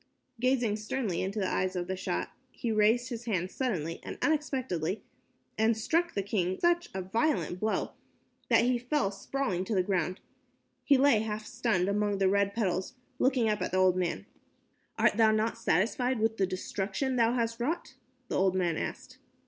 Gazing sternly into the eyes of the Shah, he raised his hand suddenly and unexpectedly, and struck the king such a violent blow that he fell sprawling to the ground. He lay half stunned among the red petals, looking up at the old man. "Art thou not satisfied with the destruction thou hast wrought?" the old man asked.